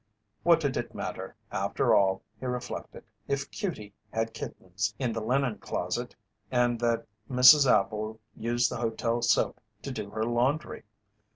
What did it matter, after all, he reflected, if "Cutie" had kittens in the linen closet, and that Mrs. Appel used the hotel soap to do her laundry?